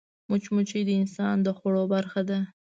مچمچۍ د انسان د خوړو برخه ده